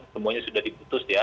semuanya sudah diputus ya